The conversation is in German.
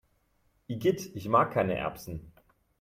Igitt, ich mag keine Erbsen!